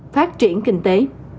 phát triển kinh tế